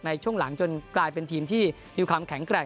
ในช่วงหลังจนกลายเป็นทีมที่มีความแข็งแกร่ง